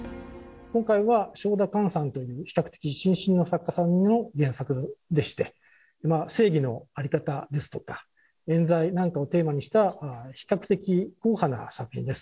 今回は翔田寛さんという比較的新進の作家さんの原作でして正義のあり方ですとか冤罪なんかをテーマにした比較的硬派な作品です。